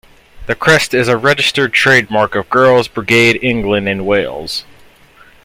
The crest is a registered trade mark of Girls' Brigade England and Wales.